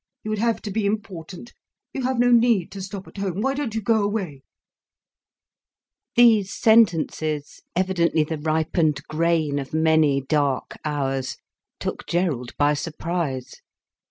You would have to be important. You have no need to stop at home. Why don't you go away!" These sentences, evidently the ripened grain of many dark hours, took Gerald by surprise.